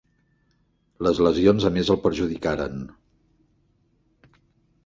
Les lesions a més el perjudicaren.